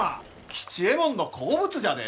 吉右衛門の好物じゃで！